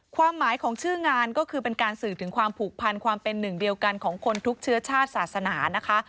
ความหมายของชื่องานก็คือเป็นการสื่อถึงความผูกพันความเป็นหนึ่งเดียวกันของคนทุกเชื้อชาติศาสนานะคะ